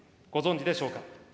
ご存じでしょうか。